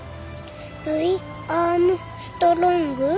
ルイ・アームストロング？